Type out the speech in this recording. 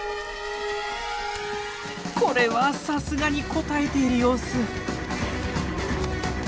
これはさすがにこたえている様子。